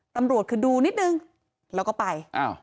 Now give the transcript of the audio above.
ตำรวจคือดูนิดนึงแล้วก็ไป